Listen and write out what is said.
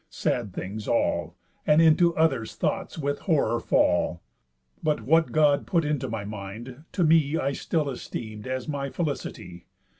Sad things all, And into others' thoughts with horror fall. But what God put into my mind, to me I still esteem'd as my felicity.